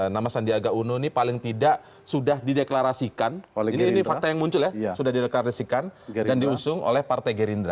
nama sandiaga uno ini paling tidak sudah dideklarasikan ini fakta yang muncul ya sudah dideklarasikan dan diusung oleh partai gerindra